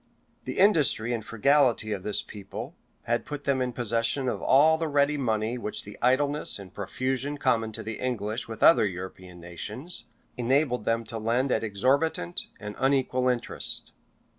The industry and frugality of this people had put them in possession of all the ready money which the idleness and profusion common to the English with other European nations, enabled them to lend at exorbitant and unequal interest.